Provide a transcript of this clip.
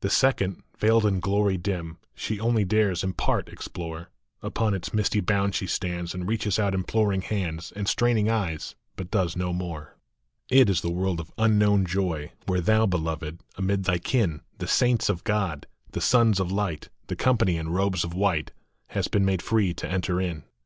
The second, veiled in glory dim, She only dares in part explore ; Upon its misty bound she stands, And reaches out imploring hands And straining eyes, but does no more. THREE WORLDS. It is the world of unknown joy, Where thou, Beloved, amid thy kin, The saints of God, the Sons of Light, The company in robes of white, Hast been made free to enter in.